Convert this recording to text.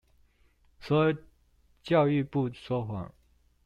說教育部說謊